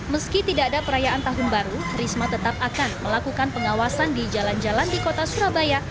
meski tidak ada perayaan tahun baru risma tetap akan melakukan pengawasan di jalan jalan di kota surabaya